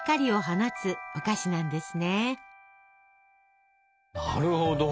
なるほど！